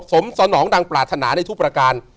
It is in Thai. สนองดังปรารถนาในทุกประการ